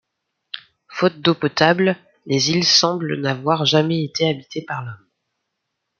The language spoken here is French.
Faute d'eau potable, les îles semblent n'avoir jamais été habitées par l'homme.